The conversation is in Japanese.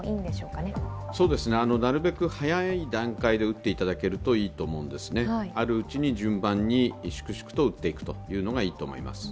なるべく早い段階で打っていただけるといいと思うんですね、あるうちに順番に粛々と打っていくというのがいいと思います。